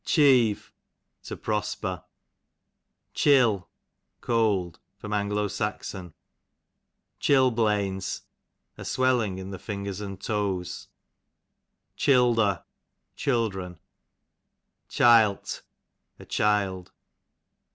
Chieve, to prosper. Chill, cold. A. S. Chill blains, a swelling in the fingers and toes. Childer, children. Chilt, a child.